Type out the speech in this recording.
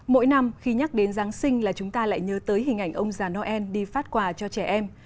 mỗi năm khi nhắc đến giáng sinh là chúng ta lại nhớ tới hình ảnh ông già noel đi phát quà cho trẻ em